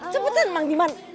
cepetan mang diman